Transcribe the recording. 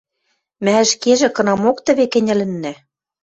Мӓ ӹшкежӹ кынамок тӹве кӹньӹлӹннӓ.